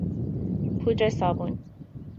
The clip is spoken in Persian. پودر صابون